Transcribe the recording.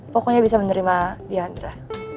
pokoknya bisa menerima dianra